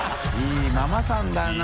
いママさんだな。